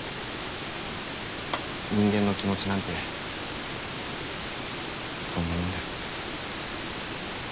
人間の気持ちなんてそんなもんです。